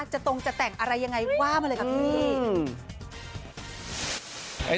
ตรงจะแต่งอะไรยังไงว่ามาเลยค่ะพี่